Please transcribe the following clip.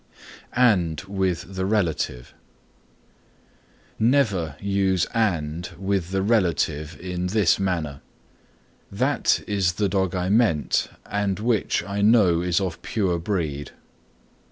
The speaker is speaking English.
AND WITH THE RELATIVE Never use and with the relative in this manner: "That is the dog I meant and which I know is of pure breed."